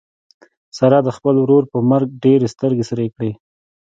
سارا د خپل ورور پر مرګ ډېرې سترګې سرې کړې.